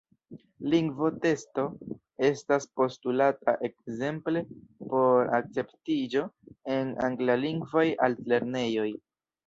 Lingvo-testo estas postulata ekzemple por akceptiĝo en anglalingvaj altlernejoj.